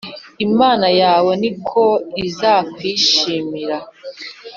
imana yawe ni ko izakwishimira.